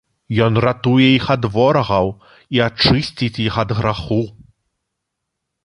Ён ратуе іх ад ворагаў і ачысціць іх ад граху.